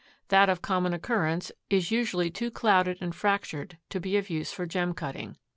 That of common occurrence is usually too clouded and fractured to be of use for gem cutting.